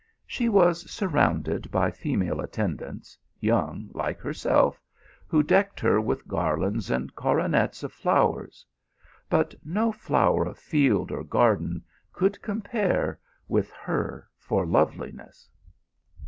She was surrounded by female attendants, young like herself, who decked her with garlands and coronets of flowers ; but no flower of field or garden could compare with her for loveliness.